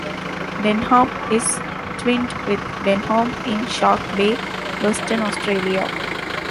Denham is twinned with Denham in Shark Bay, Western Australia.